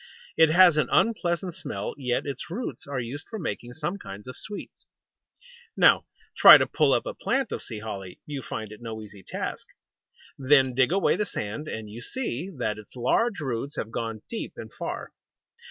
It has an unpleasant smell, yet its roots are used for making some kinds of sweets. Now try to pull up a plant of Sea Holly. You find it no easy task. Then dig away the sand, and you see that its large roots have gone deep and far.